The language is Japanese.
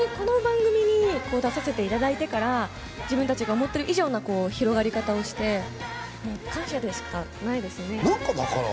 この番組に出させていただいてから、自分たちが思ってる以上な広がり方をして、感謝でしかないですね。